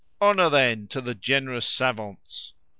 Honour, then, to the generous savants!